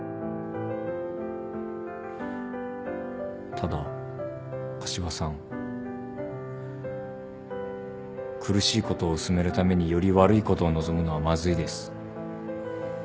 ただ柏さん苦しいことを薄めるためにより悪いことを望むのはまずいです。